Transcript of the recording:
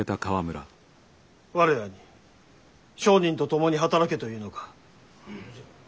我らに商人と共に働けというのか？